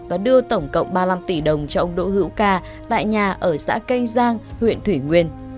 và đưa tổng cộng ba mươi năm tỷ đồng cho ông đỗ hữu ca tại nhà ở xã cây giang huyện thủy nguyên